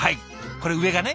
これ上がね